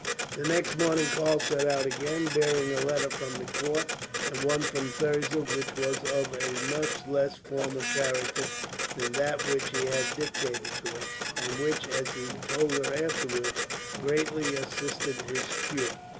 The next morning Karl set out again, bearing a letter from the count; and one from Thirza which was of a much less formal character than that which he had dictated to her, and which, as he told her afterwards, greatly assisted his cure.